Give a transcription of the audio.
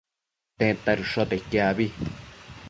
tedta dëshote iquec abi?